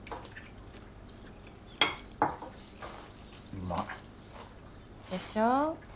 うまい。でしょ？